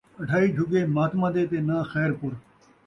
اڈھائی جھڳے مہتماں دے تے ناں خیر پور